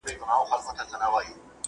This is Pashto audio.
جنګونه د ژوند حق تر پښو لاندي کوي.